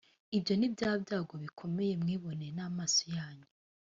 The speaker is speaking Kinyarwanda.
ibyo ni bya byago bikomeye mwiboneye n’amaso yanyu,